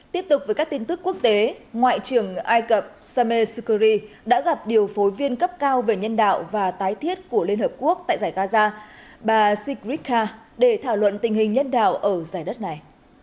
tiếp tục với các tin tức quốc tế ngoại trưởng ai cập sameh sukhri đã gặp điều phối viên cấp cao về nhân đạo và tái thiết của liên hợp quốc tại giải gaza bà sigrid kha để thảo luận tình hình nhân đạo ở giải đất này